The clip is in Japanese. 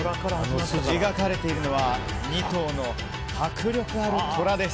描かれているのは２頭の迫力あるトラです。